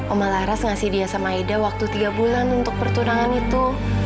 oma laras ngasih dia sama ida waktu tiga bulan untuk pertunangan itu